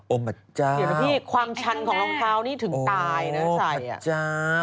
โอ้พระเจ้าความชันของรองเท้านี่ถึงตายนะ